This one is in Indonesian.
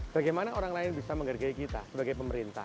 bagaimana orang lain bisa menghargai kita sebagai pemerintah